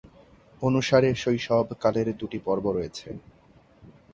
অনুসারে শৈশব কালের দুটি পর্ব রয়েছে।